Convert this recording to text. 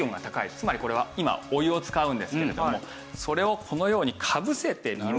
つまりこれは今お湯を使うんですけれどもそれをこのようにかぶせてみますと。